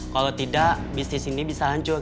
kalau tidak bisnis ini bisa hancur